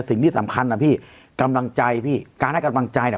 สิ่งที่สำคัญนะพี่กำลังใจพี่การให้กำลังใจน่ะ